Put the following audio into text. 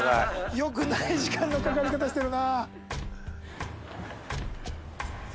よくない時間のかかり方してるな。